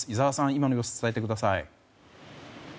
今の様子を伝えてください。